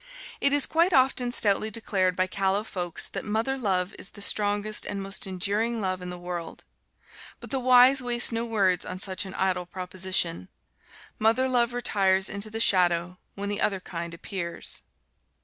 It is quite often stoutly declared by callow folks that mother love is the strongest and most enduring love in the world, but the wise waste no words on such an idle proposition. Mother love retires into the shadow when the other kind appears.